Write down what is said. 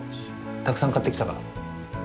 たくさん買ってきたから。